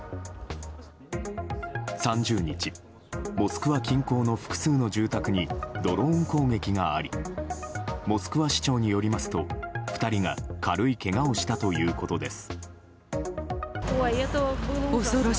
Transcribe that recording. ３０日、モスクワ近郊の複数の住宅にドローン攻撃がありモスクワ市長によりますと２人が軽いけがをしたということです。